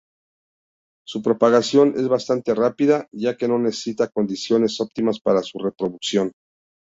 Su propagación es bastante rápida ya que no necesita condiciones óptimas para su reproducción.